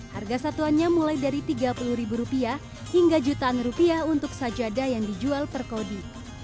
harga satuannya mulai dari tiga puluh ribu rupiah hingga jutaan rupiah untuk sajadah yang dijual per kodi